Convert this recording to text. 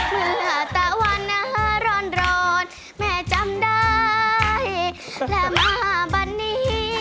เมื่อตะวันนาร้อนแม่จำได้และมาบันนี้